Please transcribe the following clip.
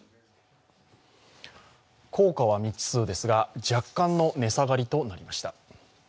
効果は未知数ですが若干の値下がりとなりました。